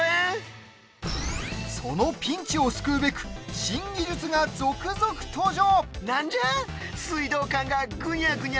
そのピンチを救うべく新技術が続々登場！